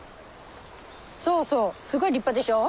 そうそうすごい立派でしょ？